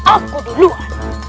aku di luar